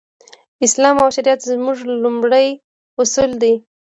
اسلام او شريعت زموږ لومړی اصل دی.